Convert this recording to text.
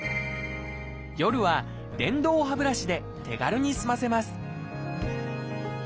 夜は電動歯ブラシで手軽に済ませます